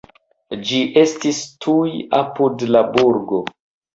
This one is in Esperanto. Ĝi estis tuj apud la burgo.